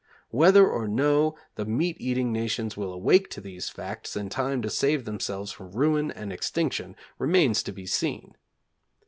Whether or no the meat eating nations will awake to these facts in time to save themselves from ruin and extinction remains to be seen.